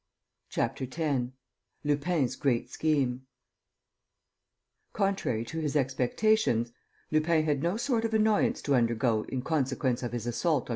CHAPTER X LUPIN'S GREAT SCHEME Contrary to his expectations, Lupin had no sort of annoyance to undergo in consequence of his assault on M.